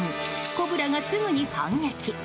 コブラがすぐに反撃！